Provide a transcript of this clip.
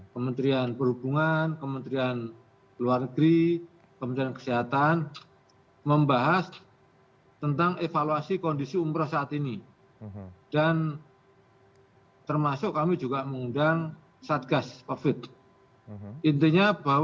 kementerian perhubungan kementerian keluar negeri kementerian kesehatan